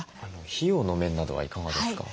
費用の面などはいかがですか？